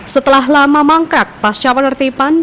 setelah lama mangkat pasca penertiban